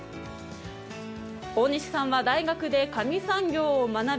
大西さんは大学で紙産業を学び